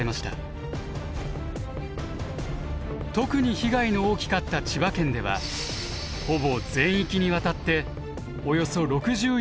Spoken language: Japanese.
特に被害の大きかった千葉県ではほぼ全域にわたっておよそ６４万戸が停電。